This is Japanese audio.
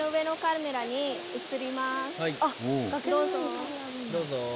どうぞ。